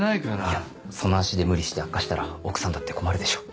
いやその足で無理して悪化したら奥さんだって困るでしょう。